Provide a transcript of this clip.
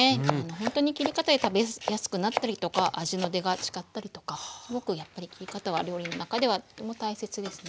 ほんとに切り方で食べやすくなったりとか味の出が違ったりとかすごくやっぱり切り方は料理の中ではとても大切ですね。